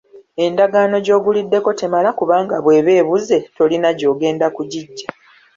Endagaano gy’oguliddeko temala kubanga bw’eba ebuze tolina gy’ogenda kugiggya.